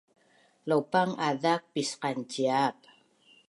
laupang azak pisqanciap